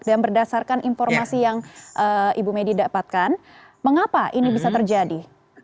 dan berdasarkan informasi yang ibu medi dapatkan mengapa ini bisa terjadi